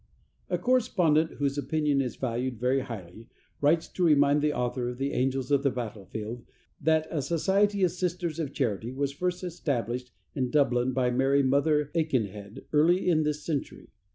A correspondent whose opinion is valued very highly writes to remind the author of the "Angels of the Battlefield" that a society of Sisters of Charity was first established in Dublin by Mary Mother Aikenhead early in this century.